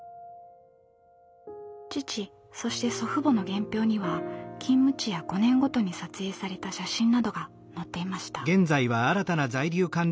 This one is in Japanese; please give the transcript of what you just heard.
父そして祖父母の原票には勤務地や５年ごとに撮影された写真などが載っていました。